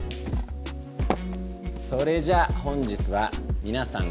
それじゃあ本日はみなさん